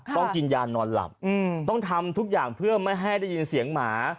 ต้องกินยานอนหลับต้องทำทุกอย่างเพื่อไม่ให้ได้ยินเสียงหมา